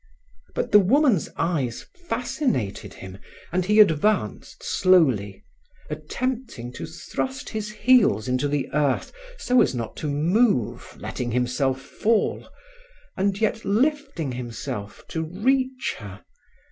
But the woman's eyes fascinated him and he advanced slowly, attempting to thrust his heels into the earth so as not to move, letting himself fall, and yet lifting himself to reach her.